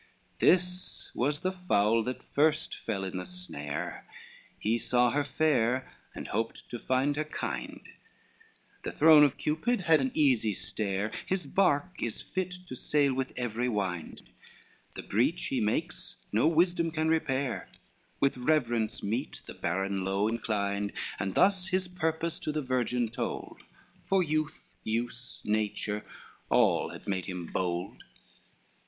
XXXIV This was the fowl that first fell in the snare, He saw her fair, and hoped to find her kind; The throne of Cupid had an easy stair, His bark is fit to sail with every wind, The breach he makes no wisdom can repair: With reverence meet the baron low inclined, And thus his purpose to the virgin told, For youth, use, nature, all had made him bold.